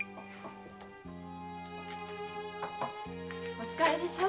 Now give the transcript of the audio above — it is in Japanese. お疲れでしょう。